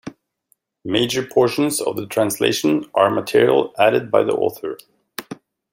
Major portions of the translation are material added by the author.